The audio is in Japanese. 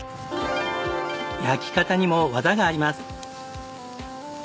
焼き方にも技があります。